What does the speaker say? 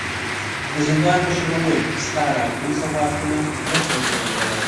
د زندان مشر وويل: ستا راکړي سوغاتونه نه شم هېرولی.